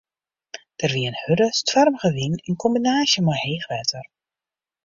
Der wie in hurde, stoarmige wyn yn kombinaasje mei heech wetter.